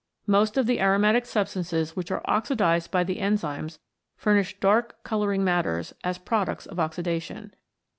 Most of the aromatic substances which are oxidised by the enzymes furnish dark colouring matters as pro ducts of oxidation.